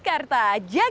jakarta jakarta jakarta